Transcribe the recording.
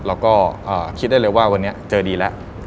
เราก็คิดได้เลยว่าวันนี้เจอดีแล้ว